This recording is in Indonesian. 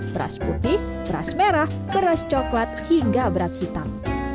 beras putih beras merah beras coklat hingga beras hitam